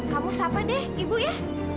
kamu siapa deh ibu ya